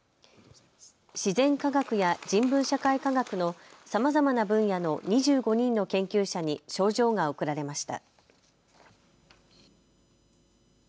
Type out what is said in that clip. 自然科学や人文社会科学のさまざまな分野の２５人の研究者に賞状が贈られました。